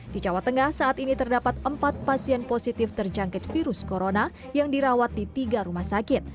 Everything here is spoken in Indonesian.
di jawa tengah saat ini terdapat empat pasien positif terjangkit virus corona yang dirawat di tiga rumah sakit